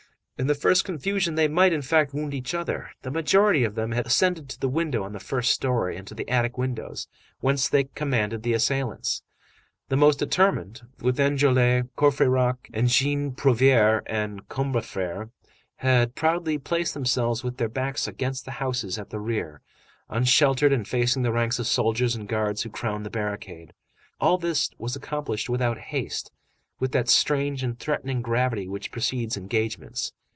In the first confusion, they might, in fact, wound each other. The majority of them had ascended to the window on the first story and to the attic windows, whence they commanded the assailants. The most determined, with Enjolras, Courfeyrac, Jean Prouvaire, and Combeferre, had proudly placed themselves with their backs against the houses at the rear, unsheltered and facing the ranks of soldiers and guards who crowned the barricade. All this was accomplished without haste, with that strange and threatening gravity which precedes engagements.